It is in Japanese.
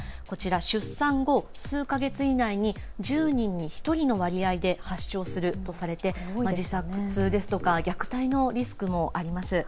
出産後、数か月以内に１０人に１人の割合で発症するとされていて自殺ですとか虐待のリスクもあります。